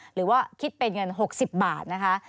หรือว่าคิดเป็นเงิน๖๐บาทนะคะ